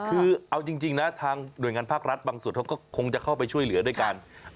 คือเอาจริงนะทางหน่วยงานภาครัฐบางส่วนเขาก็คงจะเข้าไปช่วยเหลือด้วยกัน